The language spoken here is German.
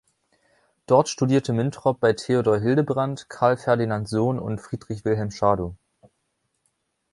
Dort studierte Mintrop bei Theodor Hildebrandt, Carl Ferdinand Sohn und Friedrich Wilhelm Schadow.